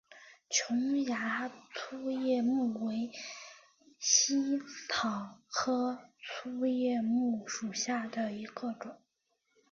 琼崖粗叶木为茜草科粗叶木属下的一个种。